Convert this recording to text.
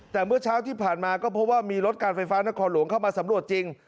แต่เมื่อเช้าที่ผ่านมาก็พบว่ามีรถการไฟฟ้านครหลวงเข้ามาสำรวจจริง